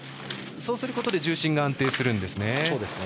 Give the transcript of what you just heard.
そうすることで重心が安定するんですね。